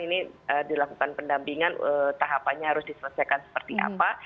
ini dilakukan pendampingan tahapannya harus diselesaikan seperti apa